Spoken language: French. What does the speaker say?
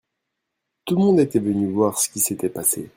Tout le monde était venu voir ce qui s'était passé.